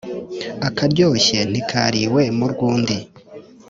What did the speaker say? Akaryoshye ntikariwe mu rw’undi.